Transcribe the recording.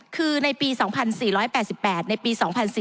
คือในปี๒๔๘๘ในปี๒๔๙